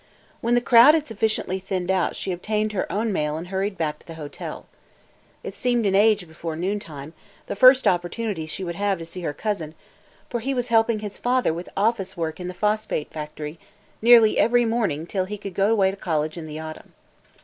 When the crowd had sufficiently thinned out she obtained her own mail and hurried back to the hotel. It seemed an age before noon time, the first opportunity she would have to see her cousin, for he was helping his father with office work in the phosphate factory, nearly every morning till he could go away to college in the autumn.